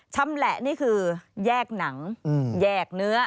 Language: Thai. ชำแหละนี่คือแยกหนังแยกเนื้อ